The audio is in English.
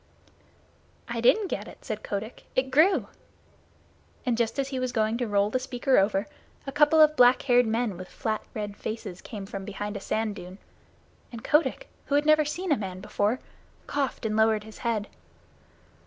"I didn't get it," said Kotick. "It grew." And just as he was going to roll the speaker over, a couple of black haired men with flat red faces came from behind a sand dune, and Kotick, who had never seen a man before, coughed and lowered his head.